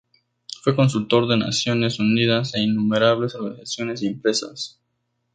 Fue Consultor de Naciones Unidas e innumerables organizaciones y empresas.